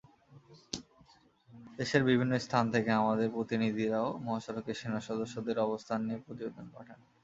দেশের বিভিন্ন স্থান থেকে আমাদের প্রতিনিধিরাও মহাসড়কে সেনাসদস্যদের অবস্থান নিয়ে প্রতিবেদন পাঠান।